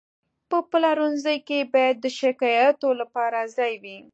په پلورنځي کې باید د شکایاتو لپاره ځای وي.